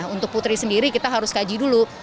untuk putri sendiri kita harus kaji dulu